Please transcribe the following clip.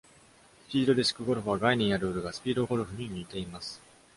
スピードディスクゴルフは、概念やルールがスピードゴルフに似ています。